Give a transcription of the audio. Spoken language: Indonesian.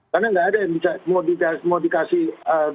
karena nggak ada yang mau dikasih